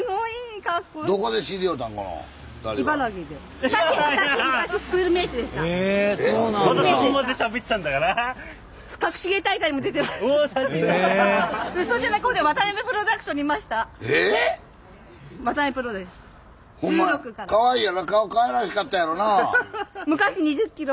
顔かわいらしかったんやろな。